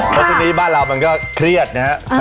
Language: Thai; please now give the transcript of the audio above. ทุกวันที่ใบ้บ้านมันก็เครียดนะครับ